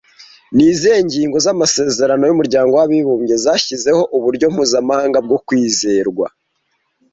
Ni izihe ngingo z’amasezerano y’umuryango w’abibumbye zashyizeho uburyo mpuzamahanga bwo kwizerwa